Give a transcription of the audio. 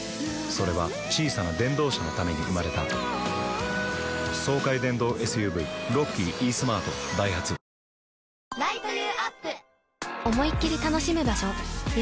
それは小さな電動車のために生まれた爽快電動ＳＵＶロッキーイースマートダイハツ一課長。